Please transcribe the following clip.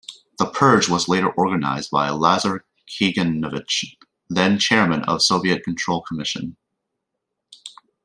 The purge was organised by Lazar Kaganovich, then Chairman of the Soviet Control Commission.